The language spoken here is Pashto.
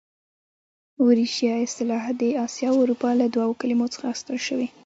اوریشیا اصطلاح د اسیا او اروپا له دوو کلمو څخه اخیستل شوې.